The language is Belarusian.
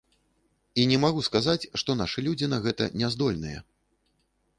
І не магу сказаць, што нашы людзі на гэта няздольныя.